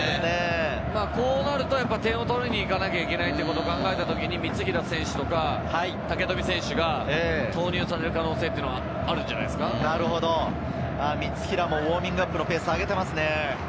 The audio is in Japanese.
こうなると点を取りに行かなければならないと考えた時に三平選手とか武富選手が投入される可能性が三平もウオーミングアップのペースを上げています。